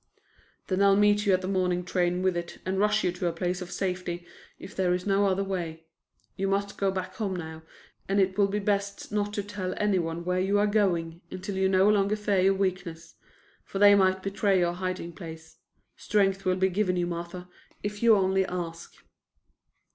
"Then I'll meet you at the morning train with it and rush you to a place of safety if there is no other way. You must go back home now, and it will be best not to tell anyone where you are going until you no longer fear your weakness, for they might betray your hiding place. Strength will be given you, Martha, if you only ask."